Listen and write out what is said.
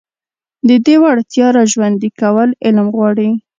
د دې وړتيا راژوندي کول علم غواړي.